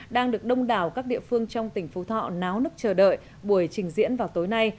đang được đông đảo các địa phương trong tỉnh phú thọ náo nức chờ đợi buổi trình diễn vào tối nay